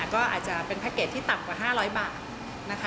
ก็อาจจะเป็นแพ็คเกจที่ต่ำกว่า๕๐๐บาทนะคะ